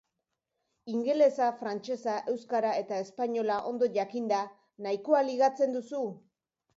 Ingelesa, frantsesa, euskara eta espainola ondo jakinda nahikoa ligatzen duzu?